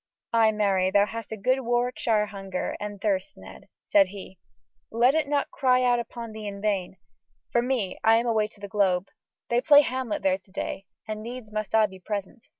"Ay, marry, thou hast a good Warwickshire hunger and thirst, Ned," said he, "let it not cry out upon thee in vain. For me, I am away to the Globe. They play Hamlet there to day, and needs must I be present."